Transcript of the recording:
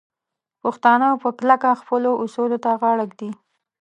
پښتانه په کلکه خپلو اصولو ته غاړه ږدي.